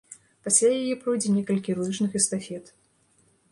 Пасля яе пройдзе некалькі лыжных эстафет.